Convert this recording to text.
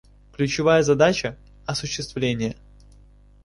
Ключевая задача — осуществление.